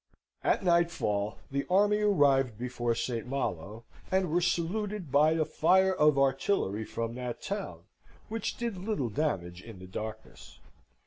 At nightfall the army arrived before St. Malo, and were saluted by a fire of artillery from that town, which did little damage in the darkness.